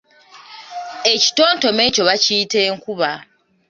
Ekitontome ekyo bakiyita enkuba.